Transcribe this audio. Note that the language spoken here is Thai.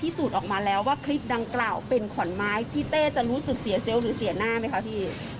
สูตรออกมาแล้วว่าคลิปดังกล่าวเป็นขอนไม้พี่เต้จะรู้สึกเสียเซลล์หรือเสียหน้าไหมคะพี่